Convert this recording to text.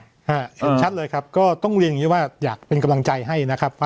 สัญญาที่ลึกณี่แปปหน้าควยขออยากเป็นกำลังใจให้